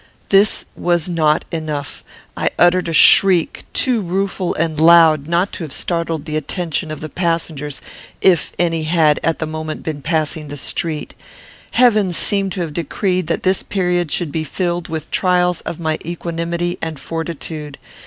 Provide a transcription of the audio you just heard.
This was not enough: I uttered a shriek, too rueful and loud not to have startled the attention of the passengers, if any had, at that moment, been passing the street. Heaven seemed to have decreed that this period should be filled with trials of my equanimity and fortitude.